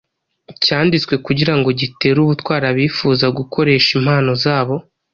cyanditswe kugira ngo gitere ubutwari abifuza gukoresha impano zabo